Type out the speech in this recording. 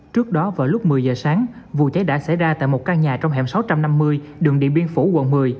trước đó vào lúc một mươi giờ sáng vụ cháy đã xảy ra tại một căn nhà trong hẻm sáu trăm năm mươi đường điện biên phủ quận một mươi